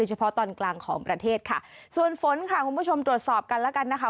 เฉพาะตอนกลางของประเทศค่ะส่วนฝนค่ะคุณผู้ชมตรวจสอบกันแล้วกันนะคะ